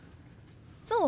そう？